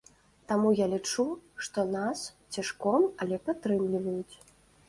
Таму я лічу, што нас цішком, але падтрымліваюць.